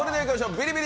ビリビリ！